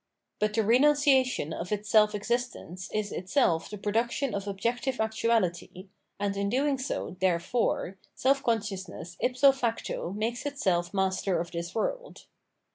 But the renunciation of its self existence is itself the production of objective actuality, and in doing so, therefore, self consciousness ifso facto makes itself master of this world.